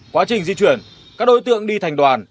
quá trình di chuyển các đối tượng đi thành đoàn